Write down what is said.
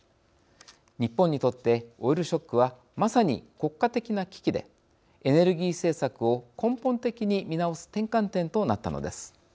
日本にとってオイルショックはまさに国家的な危機でエネルギー政策を根本的に見直す転換点となったのです。